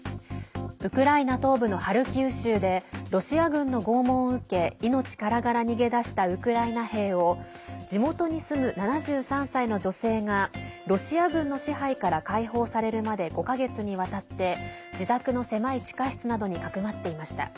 ウクライナ東部のハルキウ州でロシア軍の拷問を受け命からがら逃げ出したウクライナ兵を地元に住む７３歳の女性がロシア軍の支配から解放されるまで５か月にわたって自宅の狭い地下室などにかくまっていました。